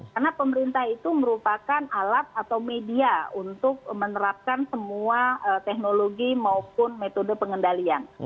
karena pemerintah itu merupakan alat atau media untuk menerapkan semua teknologi maupun metode pengendalian